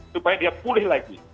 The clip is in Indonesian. supaya dia pulih lagi